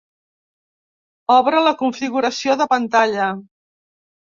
Obre la configuració de pantalla.